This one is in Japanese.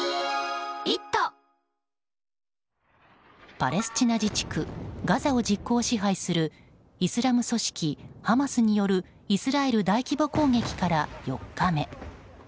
パレスチナ自治区ガザを実効支配するイスラム組織ハマスによるイスラエル大規模攻撃から４日目。